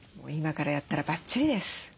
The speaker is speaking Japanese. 今からやったらバッチリです。